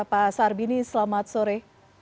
pak sardini selamat sore